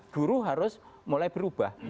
guru harus mulai berubah